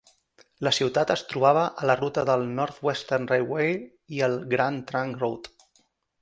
La ciutat es trobava a la ruta del North-Western Railway i el Grand Trunk Road.